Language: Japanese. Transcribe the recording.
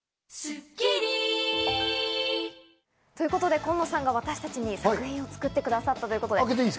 コンノさんが私たちに作品を作ってくださったということです。